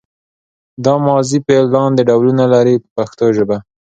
دا ماضي فعل لاندې ډولونه لري په پښتو ژبه.